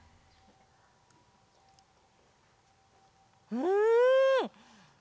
うん！